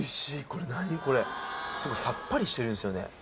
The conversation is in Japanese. これ何これさっぱりしてるんですよね